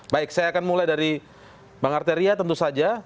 baik saya akan mulai dari bang arteria tentu saja